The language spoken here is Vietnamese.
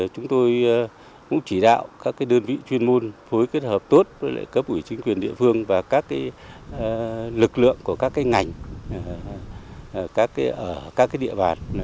chúng tôi cũng chỉ đạo các đơn vị chuyên môn phối kết hợp tốt với cấp ủy chính quyền địa phương và các lực lượng của các ngành ở các địa bàn